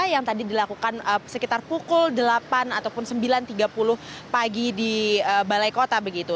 yang tadi dilakukan sekitar pukul delapan ataupun sembilan tiga puluh pagi di balai kota begitu